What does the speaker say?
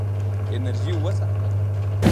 انرژي وساته.